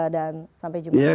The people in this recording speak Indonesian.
dan sampai jumpa